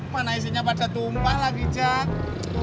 mana isinya pada tumpah lagi jack